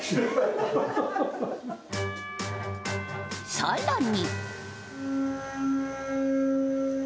さらに。